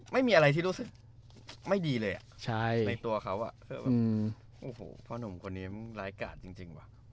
ไม่มีอะไรที่ไม่ดีเลยในตัวเขาพ่อหนุ่มคนนี้มันร้ายกาจจริง